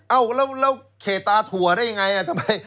เอาแล้วเขตาถั่วได้ยังไง